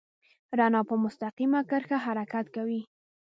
رڼا په مستقیمه کرښه حرکت کوي.